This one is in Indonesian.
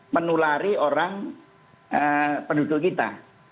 menulari orang penduduk kita